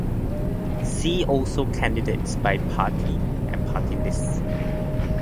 See also candidates by party and party lists.